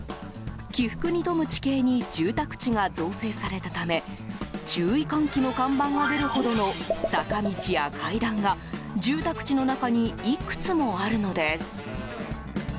起伏に富む地形に住宅地が造成されたため注意喚起の看板が出るほどの坂道や階段が住宅地の中にいくつもあるのです。